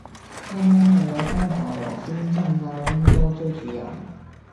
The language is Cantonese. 啱啱又有單黃大仙爭拗拎刀追住人